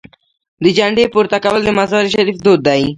د جنډې پورته کول د مزار شریف دود دی.